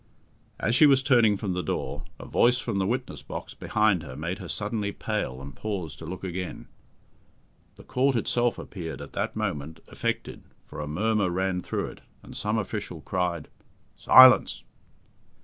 As she was turning from the door, a voice from the witness box behind her made her suddenly pale and pause to look again. The Court itself appeared, at that moment, affected, for a murmur ran through it, and some official cried, "Silence!"